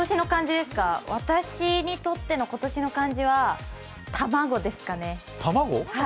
私にとっての今年の漢字は「卵」ですかね。